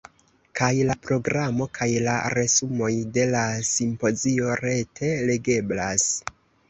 Kaj la programo kaj la resumoj de la simpozio rete legeblas.